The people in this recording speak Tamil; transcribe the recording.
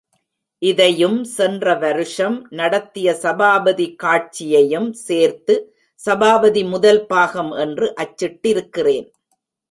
இதையும் சென்ற வருஷம் நடத்திய சபாபதி காட்சியையும் சேர்த்து சபாபதி முதல் பாகம் என்று அச்சிட்டிருக்கிறேன்.